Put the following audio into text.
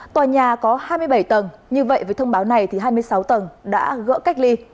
tòa nhà có hai mươi bảy tầng như vậy với thông báo này thì hai mươi sáu tầng đã gỡ cách ly